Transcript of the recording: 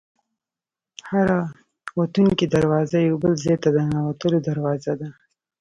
هره وتونکې دروازه یو بل ځای ته د ننوتلو دروازه ده.